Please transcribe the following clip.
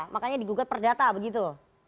makanya digugat perdata begitu